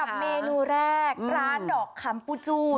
เมนูแรกร้านดอกคำปูจู